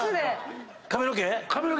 髪の毛？